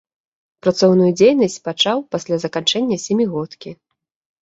Працоўную дзейнасць пачаў пасля заканчэння сямігодкі.